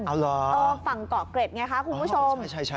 เอาเหรอฝั่งเกาะเกร็ดไงคะคุณผู้ชม